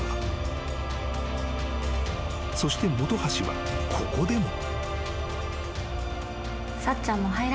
［そして本橋はここでも］